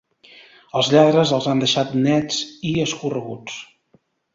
Els lladres els han deixat nets i escorreguts.